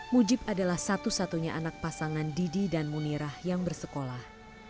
mujib adalah satu satunya anak pasangan didi dan munirah yang bersekolah